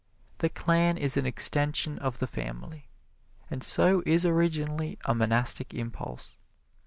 The clan is an extension of the family, and so is originally a monastic impulse.